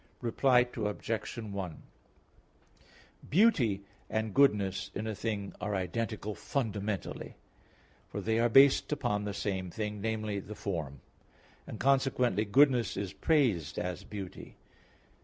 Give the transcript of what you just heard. Reply Obj. 1: Beauty and goodness in a thing are identical fundamentally; for they are based upon the same thing, namely, the form; and consequently goodness is praised as beauty.